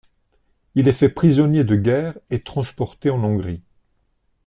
Il est fait prisonnier de guerre et transporté en Hongrie.